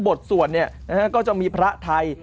บทสวดเนี่ยก็จะมีพระไทย